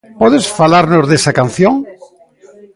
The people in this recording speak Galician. Podes falarnos desa canción?